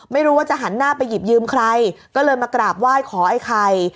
ไม่รู้ว่าจะหันหน้าไปหยิบยืมใครก็เลยมากราบไหว้ขอไอ้ไข่